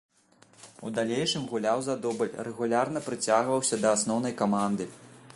У далейшым гуляў за дубль, рэгулярна прыцягваўся да асноўнай каманды.